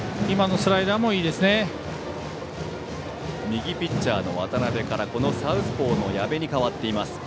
右ピッチャーの渡辺からサウスポーの矢部に代わっています。